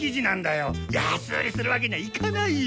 安売りするわけにはいかないよ。